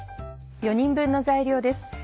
４人分の材料です。